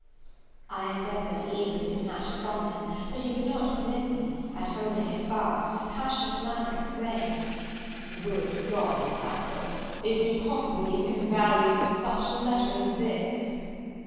I endeavoured, eagerly, to snatch it from him, but he would not permit me; and, holding it fast, in a passionate manner exclaimed, "Good God, Miss Anville, is it possible you can value such a letter as this?"